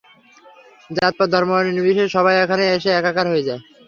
যাত পাত ধর্ম বর্ণ নির্বিশেষে সবাই এখানে এসে একাকার হয়ে যায়।